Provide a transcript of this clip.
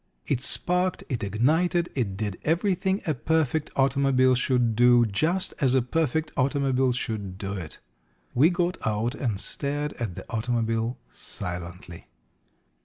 _ It sparked, it ignited, it did everything a perfect automobile should do, just as a perfect automobile should do it. We got out and stared at the automobile silently.